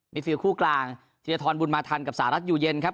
มี๔คู่กลางทีมไทยทอนบุญมาทันกับสหรัฐอยู่เย็นครับ